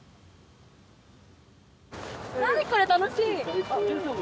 何これ楽しい！